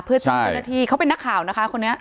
เพื่อที่เขาเป็นนักข่าวนะคะคนนี้